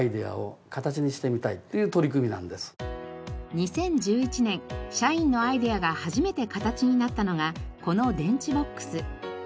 ２０１１年社員のアイデアが初めて形になったのがこの電池ボックス。